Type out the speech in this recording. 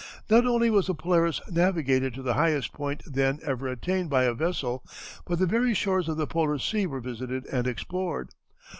Not only was the Polaris navigated to the highest point then ever attained by a vessel, but the very shores of the Polar Sea were visited and explored.